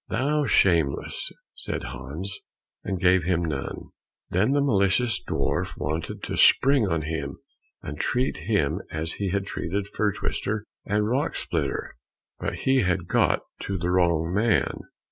"Thou art shameless!" said Hans, and gave him none. Then the malicious dwarf wanted to spring on him and treat him as he had treated Fir twister and Rock splitter, but he had got to the wrong man.